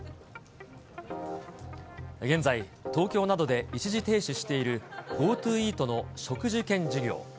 現在、東京などで一時停止しているＧｏＴｏイートの食事券事業。